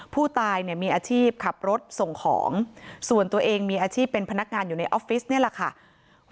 ผู้ตายเนี่ยมีอาชีพขับรถส่งของส่วนตัวเองมีอาชีพเป็นพนักงานอยู่ในออฟฟิศนี่แหละค่ะ